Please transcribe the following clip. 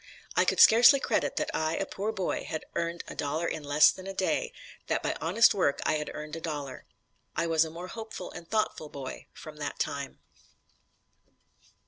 I could scarcely credit that I, a poor boy, had earned a dollar in less than a day that by honest work I had earned a dollar. I was a more hopeful and thoughtful boy from that time."